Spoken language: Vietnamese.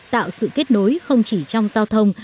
tạo sự kết nối không chỉ trong giao thông